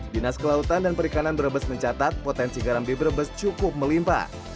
dinas kelautan dan perikanan brebes mencatat potensi garam di brebes cukup melimpa